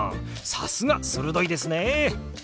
さすが鋭いですね！